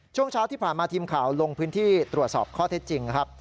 ช่วงเช้าที่ผ่านมาทีมข่าวลงพื้นที่ตรวจสอบข้อเท็จจริงนะครับ